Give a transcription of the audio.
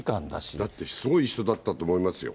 だってすごい人だったと思いますよ。